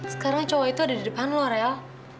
sekarang cowok itu ada di depan lo rel